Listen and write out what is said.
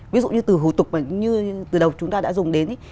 ví dụ như từ hủ tục mà như từ đầu chúng ta đã dùng đến